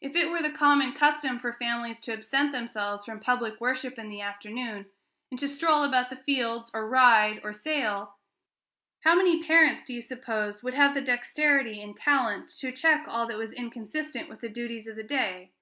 If it were the common custom for families to absent themselves from public worship in the afternoon, and to stroll about the fields, or ride, or sail, how many parents, do you suppose, would have the dexterity and talent to check all that was inconsistent with the duties of the day?